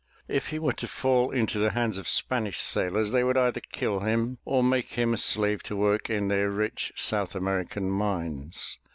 If he were to fall into the hands of Spanish sailors they would either kill him or make him a slave to work in their rich South American mines.